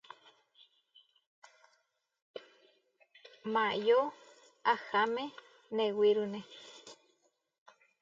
Maayó hámane newírune.